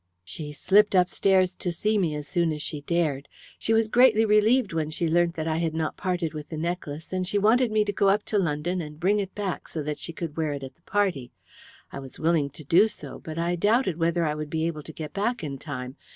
"She slipped upstairs to see me as soon as she dared. She was greatly relieved when she learnt that I had not parted with the necklace, and she wanted me to go up to London and bring it back so that she could wear it to the party. I was willing to do so, but I doubted whether I would be able to get back in time.